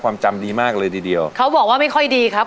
ความจำดีมากเลยทีเดียวเขาบอกว่าไม่ค่อยดีครับ